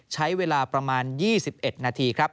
ใช้เวลาประมาณ๒๑นาทีครับ